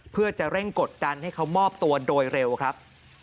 เพื่อจะเร่งกดดันให้เขามอบตัวโดยเร็วครับ